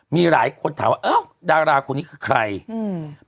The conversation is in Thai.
มีหลายคนถามว่าอ้าวดาราคนนี้คือใครอืม